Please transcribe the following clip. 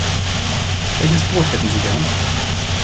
Welches Brot hätten Sie gern?